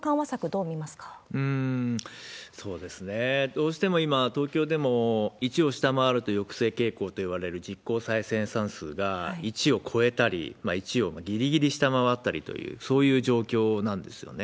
うーん、そうですね、どうしても今、東京でも１を下回ると抑制傾向といわれる実行再生産数が１を超えたり、１をぎりぎり下回ったりという、そういう状況なんですよね。